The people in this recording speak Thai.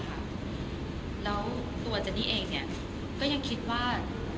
แล้วตัวเจนนี่เองก็ยังคิดว่า